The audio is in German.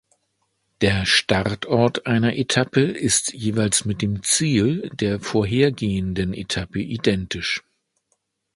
Der Startort einer Etappe ist jeweils mit dem Ziel der vorhergehenden Etappe identisch.